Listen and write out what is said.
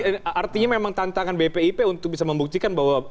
artinya memang tantangan bpip untuk bisa membuktikan bahwa